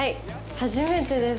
初めてです。